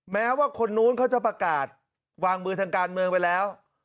แม้ว่าคนนู้นเขาจะประกาศวางมือทางการเมืองไปแล้ว